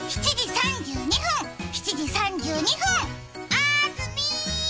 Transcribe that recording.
あーずみー！